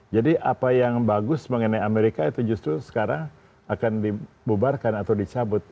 jadi apa yang bagus mengenai amerika itu justru sekarang akan dibubarkan atau dicabut